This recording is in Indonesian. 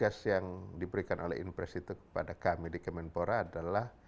tugas yang diberikan oleh impres itu kepada kami di kemenpora adalah